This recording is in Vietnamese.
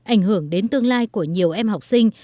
ảnh hưởng đến tương lai của nhiều em học sinh